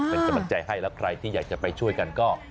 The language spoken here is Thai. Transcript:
เป็นกำลังใจให้แล้วใครที่อยากจะไปช่วยกันก็